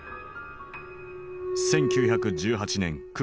１９１８年９月。